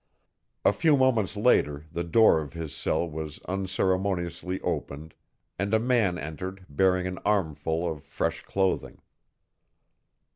A few moments later the door of his cell was unceremoniously opened and a man entered bearing an armful of fresh clothing.